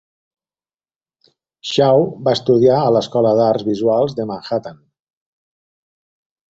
Shaw va estudiar a l'escola d'arts visuals de Manhattan.